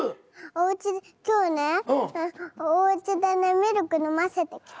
おうち今日ねおうちでねミルク飲ませてきた。